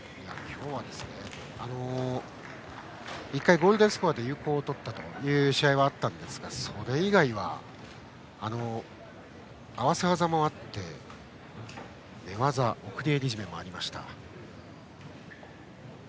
今日は、１回ゴールデンスコアで有効を取った試合もありましたがそれ以外は合わせ技もあって寝技、送り襟絞めもありました。